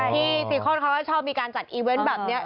ที่สีข้อนเขาว่าชอบมีการจัดอีเว้นต์แบบนี้